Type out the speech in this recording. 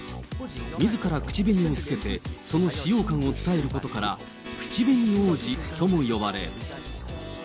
みずから口紅をつけて、その使用感を伝えることから、口紅王子とも呼ばれ。